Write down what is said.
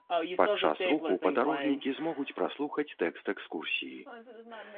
Падчас руху падарожнікі змогуць праслухаць тэкст экскурсіі.